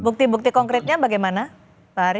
bukti bukti konkretnya bagaimana pak ari